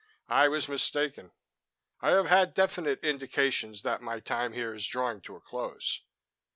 I was mistaken. I have had definite indications that my time here is drawing to a close.